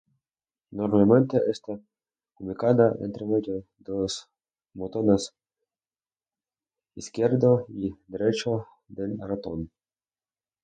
Normalmente está ubicada entre medio de los botones izquierdo y derecho del ratón.